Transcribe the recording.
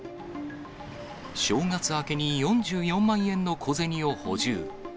正月明けに４４万円の小銭を補充。